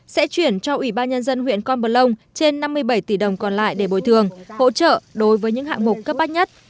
sẽ chuyển cho ủy ban nhân dân huyện con bờ lông trên năm mươi bảy tỷ đồng còn lại để bồi thường hỗ trợ đối với những hạng mục cấp bách nhất